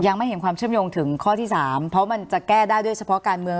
ยังไม่เห็นความเชื่อมโยงถึงข้อที่๓เพราะมันจะแก้ได้ด้วยเฉพาะการเมือง